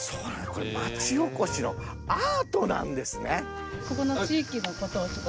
これ町おこしのアートなんですね。